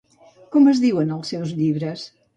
Com es diuen els seus llibres?